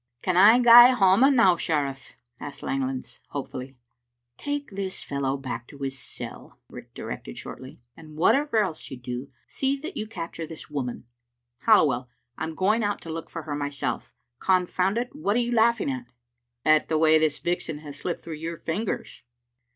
"Can I gae hame now, sheriff?" asked Langlands^ hopefully. "Take this fellow back to his cell," Riach directed shortly, " and whatever else you do, see that you cap ture this woman. Halliwell, I am going out to look for her myself. Confound it, what are you laughing at?" "At the way this vixen has slipped through your fingers."